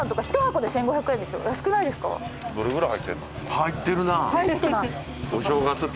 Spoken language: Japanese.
入ってるな。